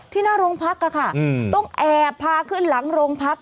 หน้าโรงพักค่ะต้องแอบพาขึ้นหลังโรงพัก